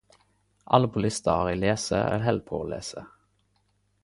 Alle på lista har eg lese eller held på å lese.